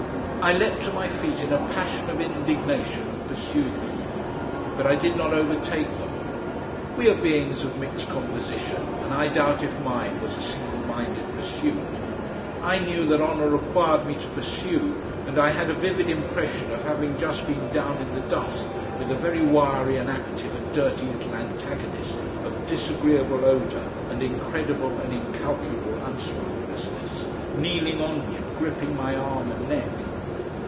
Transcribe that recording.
I leapt to my feet in a passion of indignation and pursued them. But I did not overtake them. We are beings of mixed composition, and I doubt if mine was a single minded pursuit. I knew that honour required me to pursue, and I had a vivid impression of having just been down in the dust with a very wiry and active and dirty little antagonist of disagreeable odour and incredible and incalculable unscrupulousness, kneeling on me and gripping my arm and neck.